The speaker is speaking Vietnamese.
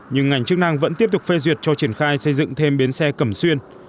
nhưng ngành chức năng vẫn tiếp tục phê duyệt cho triển khai xây dựng thêm bến xe cẩm xuyên